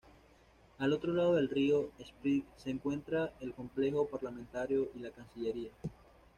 Al otro lado del río Spree se encuentra el complejo Parlamentario y la cancillería.